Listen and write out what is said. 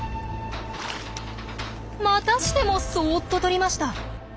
またしてもそっととりました。